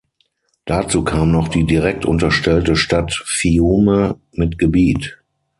Dazu kam noch die direkt unterstellte Stadt Fiume mit Gebiet.